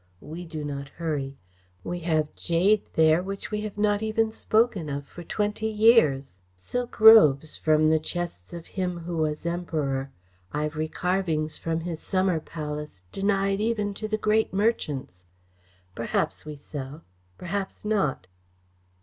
We do not hurry. We have jade there which we have not even spoken of for twenty years, silk robes from the chests of him who was emperor, ivory carvings from his Summer Palace, denied even to the great merchants. Perhaps we sell. Perhaps not."